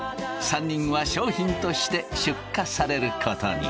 ３人は商品として出荷されることに。